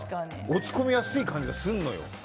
落ち込みやすい感じがするのよ。